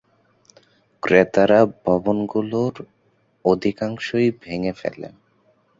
ক্রেতারা ভবনগুলির অধিকাংশই ভেঙে ফেলে।